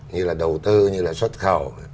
như là đầu tư như là xuất khẩu